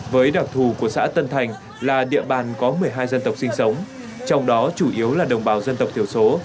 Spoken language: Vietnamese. với đặc thù của xã tân thành là địa bàn có một mươi hai dân tộc sinh sống trong đó chủ yếu là đồng bào dân tộc thiểu số